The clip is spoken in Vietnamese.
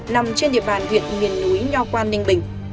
nằm trên địa bàn huyện nguyên núi nho quang ninh bình